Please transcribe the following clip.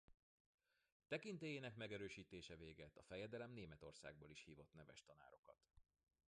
Tekintélyének megerősítése végett a fejedelem Németországból is hívott neves tanárokat.